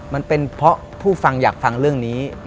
มันเป็นเพราะผู้ฟังอยากฟังเรื่องนี้